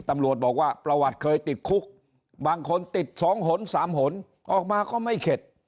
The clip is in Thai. ตำรวจบอกว่าประวัติเคยติดคุกบางคนติด๒หน๓หนออกมาก็ไม่เข็ด